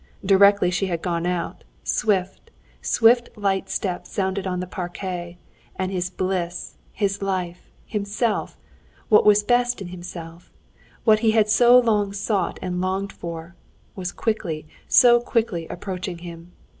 Directly she had gone out, swift, swift light steps sounded on the parquet, and his bliss, his life, himself—what was best in himself, what he had so long sought and longed for—was quickly, so quickly approaching him.